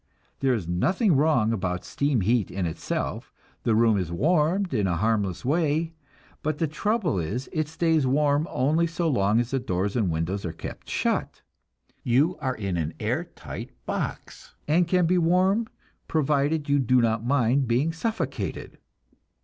There is nothing wrong about steam heat in itself; the room is warmed in a harmless way; but the trouble is it stays warm only so long as the doors and windows are kept shut. You are in an air tight box, and can be warm provided you do not mind being suffocated.